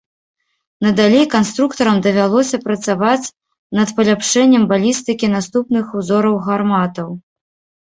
Надалей канструктарам давялося працаваць над паляпшэннем балістыкі наступных узораў гарматаў.